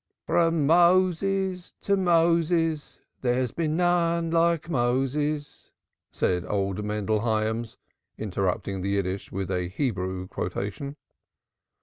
"From Moses to Moses there has been none like Moses," said old Mendel Hyams, interrupting the Yiddish with a Hebrew quotation.